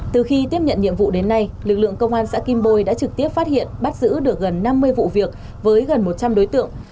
từ khi tiếp nhận nhiệm vụ đến nay lực lượng công an xã kim bôi đã trực tiếp phát hiện bắt giữ được gần năm mươi vụ việc với gần một trăm linh đối tượng